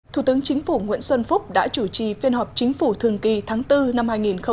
thủ tướng chính phủ nguyễn xuân phúc đã chủ trì phiên họp chính phủ thường kỳ tháng bốn năm hai nghìn hai mươi